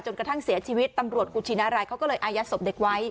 กระทั่งเสียชีวิตตำรวจกุชินารายเขาก็เลยอายัดศพเด็กไว้